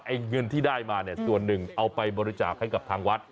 เงินที่ได้มาเนี่ยส่วนหนึ่งเอาไปบริจาคให้กับทางวัด